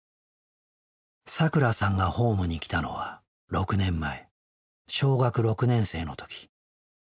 さくらさんがホームに来たのは６年前小学６年生の時。